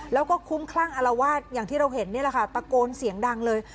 แล้วก็คุ้มคลั่งอารวาสอย่างที่เราเห็นนี่แหละค่ะตะโกนเสียงดังเลย